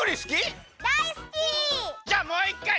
じゃあもういっかい！